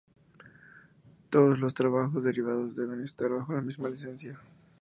Todos los trabajos derivados deben estar bajo la misma licencia.